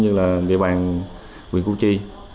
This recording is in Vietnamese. đó là địa bàn quyền cụ chi